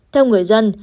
theo người dân